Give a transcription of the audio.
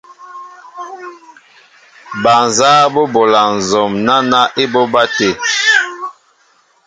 Bal nzáá bɔ́ bola nzɔm náná ébobá tê.